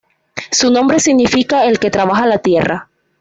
Su nombre significaː "El que trabaja la tierra.